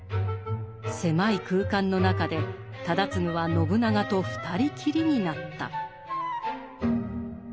狭い空間の中で忠次は信長と２人きりになった。